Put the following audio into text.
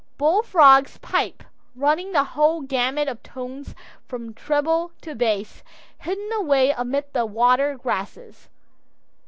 Bullfrogs pipe, running the whole gamut of tones from treble to bass, hidden away amid the water grasses.